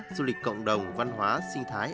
du lịch cộng đồng văn hóa sinh thái